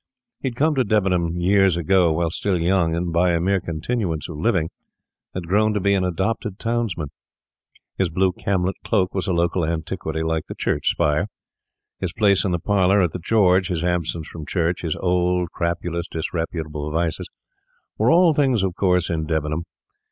He had come to Debenham years ago, while still young, and by a mere continuance of living had grown to be an adopted townsman. His blue camlet cloak was a local antiquity, like the church spire. His place in the parlour at the George, his absence from church, his old, crapulous, disreputable vices, were all things of course in Debenham.